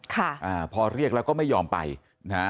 อ่าพอเรียกแล้วก็ไม่ยอมไปนะฮะ